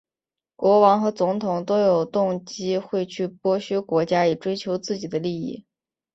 国王和总统都有动机会去剥削国家以追求自己的利益。